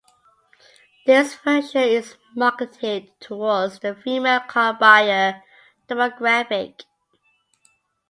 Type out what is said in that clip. This version is marketed towards the female car buyer demographic.